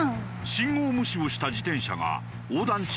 信号無視をした自転車が横断中の女性に衝突。